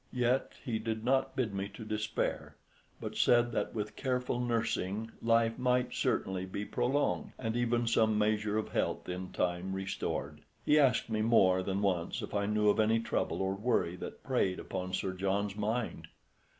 Yet he did not bid me to despair, but said that with careful nursing life might certainly be prolonged, and even some measure of health in time restored. He asked me more than once if I knew of any trouble or worry that preyed upon Sir John's mind.